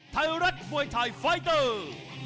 ไทยรัฐมวยไทยไฟเตอร์